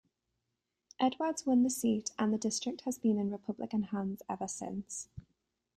Edwards won the seat, and the district has been in Republican hands ever since.